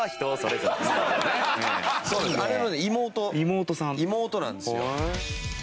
妹妹なんですよ。